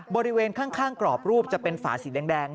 บริเวณข้างกรอบรูปจะเป็นฝาสีแดง